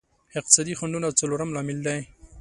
اقتصادي خنډونه څلورم لامل دی.